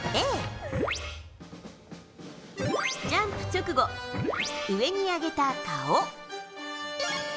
Ａ、ジャンプ直後、上に上げた顔。